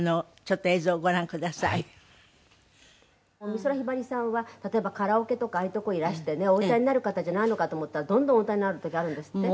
「美空ひばりさんは例えばカラオケとかああいうとこいらしてお歌いになる方じゃないのかと思ったらどんどんお歌いになる時あるんですって？」